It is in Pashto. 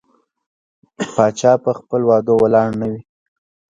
پاچا په خپل وعدو ولاړ نه وي.